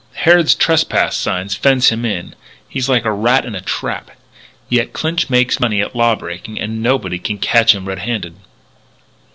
Harrod's trespass signs fence him in. He's like a rat in a trap. Yet Clinch makes money at law breaking and nobody can catch him red handed.